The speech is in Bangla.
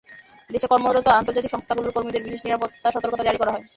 দেশে কর্মরত আন্তর্জাতিক সংস্থাগুলোর কর্মীদের বিশেষ নিরাপত্তা সতর্কতা জারি করা হয়।